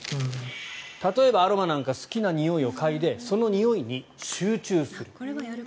例えば、アロマなんか好きなにおいを嗅いでそのにおいに集中する。